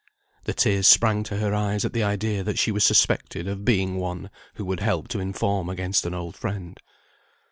The tears sprang to her eyes at the idea that she was suspected of being one who would help to inform against an old friend.